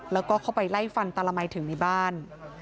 แล้วก็เข้าไปไล่ฟันตาละมัยถึงในบ้าน